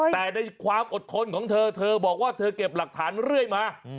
แต่ในความอดทนของเธอเธอบอกว่าเธอเก็บหลักฐานเรื่อยมา